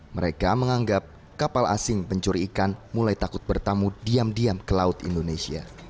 mereka menganggap kapal asing pencuri ikan mulai takut bertamu diam diam ke laut indonesia